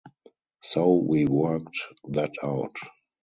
So we worked that out.